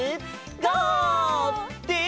ゴー！って。